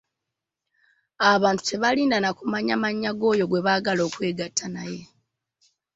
Abamu tebalinda na kumanya mannya g'oyo gwe baagala okwegatta naye.